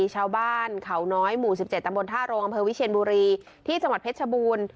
ชาวบ้านเขาน้อยหมู่๑๗ตำบลท่าโรงอำเภอวิเชียนบุรีที่จังหวัดเพชรชบูรณ์